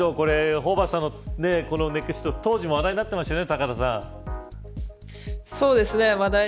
ホーバスさんの熱血指導は当時も話題になっていましたよね。